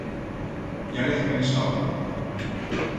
Ya l'hez pensau?